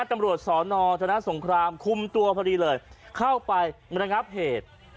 ตำรวจสอนอธนสงครามคุมตัวพอดีเลยเข้าไประงับเหตุ